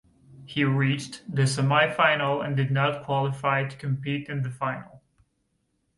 He reached the semifinals and did not qualify to compete in the final.